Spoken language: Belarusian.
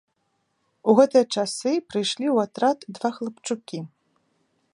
У гэтыя часы прыйшлі ў атрад два хлапчукі.